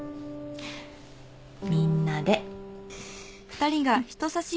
みんなで。